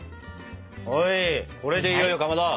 はいこれでいよいよかまど。